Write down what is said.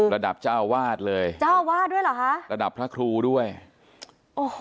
ระดับเจ้าอาวาสเลยเจ้าอาวาสด้วยเหรอฮะระดับพระครูด้วยโอ้โห